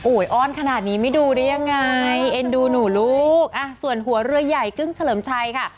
อ้อนขนาดนี้ไม่ดูได้ยังไงเอ็นดูหนูลูกอ่ะส่วนหัวเรือใหญ่กึ้งเฉลิมชัยค่ะ